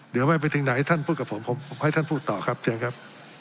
เดี๋ยวไม่ไปถึงไหนท่านพูดกับผมผมให้ท่านพูดต่อครับเชิญครับ